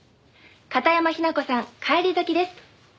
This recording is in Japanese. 「片山ひなこさん返り咲きです」